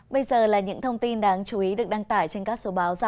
bây giờ là những thông tin đáng chú ý được đăng tải trên các số báo ra hôm nay